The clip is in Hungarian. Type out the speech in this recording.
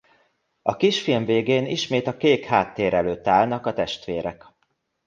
A kisfilm végén ismét a kék háttér előtt állnak a testvérek.